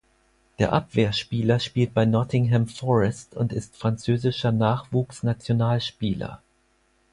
Der Abwehrspieler spielt bei Nottingham Forest und ist französischer Nachwuchsnationalspieler.